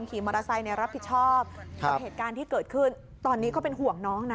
มอเตอร์ไซค์แทรกมาเลยขณะที่คันอื่นเขาเริ่มจอดแล้วนะฮะ